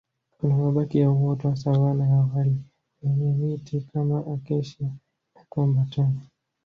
Kuna mabaki ya uoto wa savana ya awali yenye miti kama Acacia na Combretum